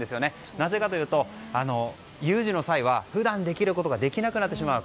なぜかというと有事の際は普段できることができなくなってしまう。